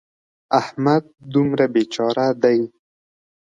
احمد دومره بې چاره دی.